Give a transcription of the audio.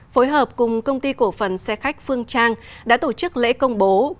phối hợp cùng công ty cổ phần xe khách phương trang đã tổ chức lễ công bố